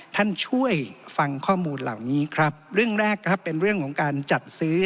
ท่านช่วยฟังข้อมูลเหล่านี้ครับเรื่องแรกนะครับเป็นเรื่องของการจัดซื้อ